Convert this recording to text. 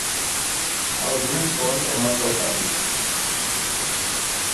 Els únics bons són els del país.